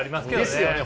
ですよね